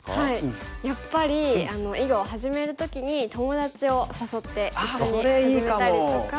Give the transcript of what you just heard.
やっぱり囲碁を始める時に友達を誘って一緒に始めたりとか。